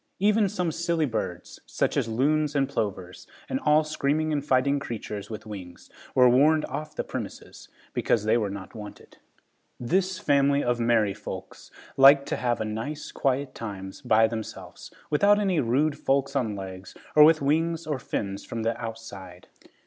Even some silly birds, such as loons and plovers and all screaming and fighting creatures with wings, were warned off the premises, because they were not wanted. This family of merry folks liked to have a nice, quiet time by themselves, without any rude folks on legs, or with wings or fins from the outside.